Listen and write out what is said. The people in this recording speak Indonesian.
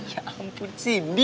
ya ampun sindi